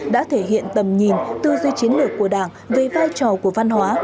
đã thể hiện tầm nhìn tư duy chiến lược của đảng về vai trò của văn hóa